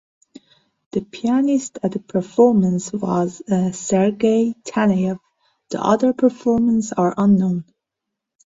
The pianist at the performance was Sergei Taneyev; the other performers are unknown.